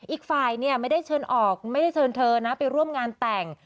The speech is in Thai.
อีกฝ่ายไม่ได้เชิญออกไม่ได้เชิญเธอนะไปร่วมงานแต่ง